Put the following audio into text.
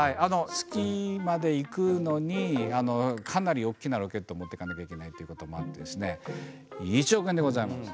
月まで行くのにかなり大きなロケットを持って行かなきゃいけないということもあって１億円でございます。